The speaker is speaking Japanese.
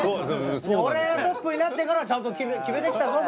俺トップになってからちゃんとキメてきたぞと。